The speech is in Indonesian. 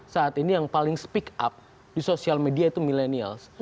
saat ini yang paling speak up di sosial media itu millennials